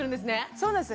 そうなんです。